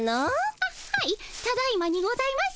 あっはいただいまにございます。